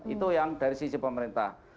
itu yang dari sisi pemerintah